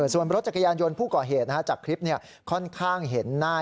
ส่วนรถจักรยานยนต์ผู้ก่อเหตุจากคลิปค่อนข้างเห็นหน้า